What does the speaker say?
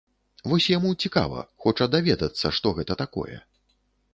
Вось яму цікава, хоча даведацца, што гэта такое.